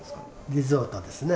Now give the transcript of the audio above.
リゾートですね。